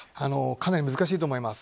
かなり難しいと思います。